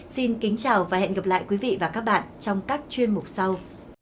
xin kính chào và hẹn gặp lại quý vị và các bạn trong các chuyên mục sau